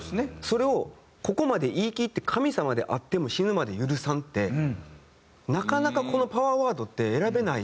それをここまで言い切って「神様であっても死ぬまで許さん」ってなかなかこのパワーワードって選べない。